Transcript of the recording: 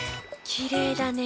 きれいだね。